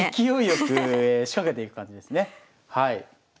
勢いよく仕掛けていく感じですね。